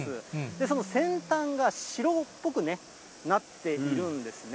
その先端が白っぽくなっているんですね。